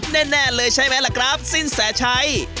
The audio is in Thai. แน่เลยใช่มั้ยล่ะครับสิ้นแสดย